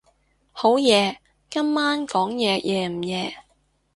好夜？今晚講嘢夜唔夜？